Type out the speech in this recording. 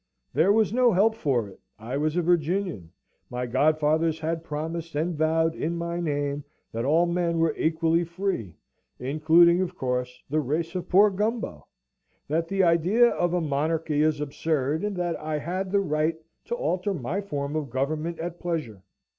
There was no help for it; I was a Virginian my godfathers had promised and vowed, in my name, that all men were equally free (including, of course, the race of poor Gumbo), that the idea of a monarchy is absurd, and that I had the right to alter my form of government at pleasure.